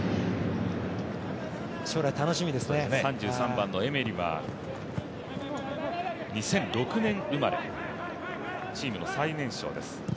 ３３番のエメリは２００６年生まれチームの最年少です。